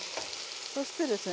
そしてですね